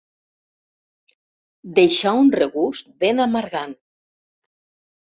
Deixà un regust ben amargant.